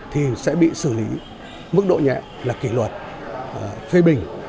thì sẽ bị xử lý mức độ nhẹ là kỷ luật phê bình